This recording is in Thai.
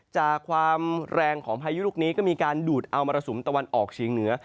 จากความแรงของพายุลูกนี้ก็มีการดูดเอามรสุมตะวันออกเฉียงเหนือ